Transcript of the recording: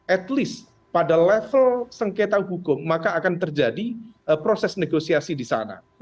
at least pada level sengketa hukum maka akan terjadi proses negosiasi di sana